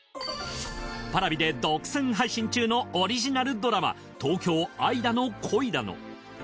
Ｐａｒａｖｉで独占配信中のオリジナルドラマ『東京、愛だの、恋だの』。